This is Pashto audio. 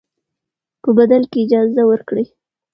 په بدل کې یې جایزه ورکړئ.